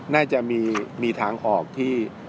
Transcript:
น่าจะมีทางออกที่